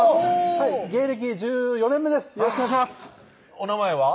お名前は？